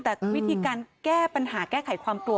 แต่วิธีการแก้ปัญหาแก้ไขความกลัว